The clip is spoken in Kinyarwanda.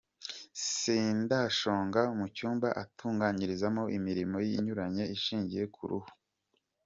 Sendashonga mu cyumba atunganyirizamo imirimo inyuranye ishingiye ku ruhu.